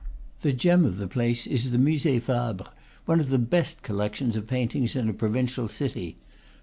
The gem of the place is the Musee Fabre, one of the best collections of paintings in a provincial city.